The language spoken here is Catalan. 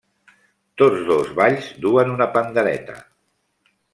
Tots dos balls duen una pandereta.